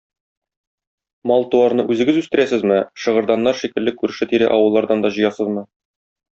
Мал-туарны үзегез үстерәсезме, шыгырданнар шикелле күрше-тирә авыллардан да җыясызмы?